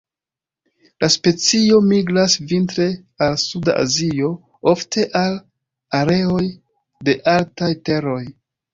La specio migras vintre al suda Azio, ofte al areoj de altaj teroj.